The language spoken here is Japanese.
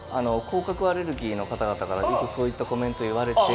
甲殻アレルギーの方々からよくそういったコメントを言われて。